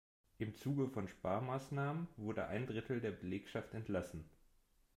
Im Zuge von Sparmaßnahmen wurde ein Drittel der Belegschaft entlassen.